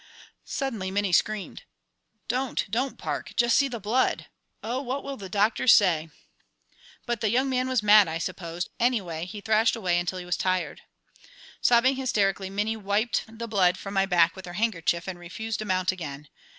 Suddenly Minnie screamed: "Don't, don't, Park; just see the blood! Oh, what will the doctor say?" But the young man was mad, I suppose; anyway he thrashed away until he was tired. Sobbing hysterically, Minnie wiped the blood from my back with her handkerchief, and refused to mount again.